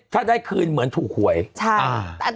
ถ้าได้คืนเหมือนถูกหวยใช่อ่า